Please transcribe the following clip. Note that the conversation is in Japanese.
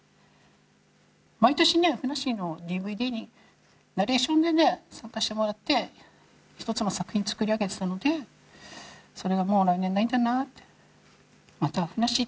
毎年ね、ふなっしーのＤＶＤにナレーションでね、参加してもらって、一つの作品を作り上げていたので、それがもう来年ないんだなって、またふなっ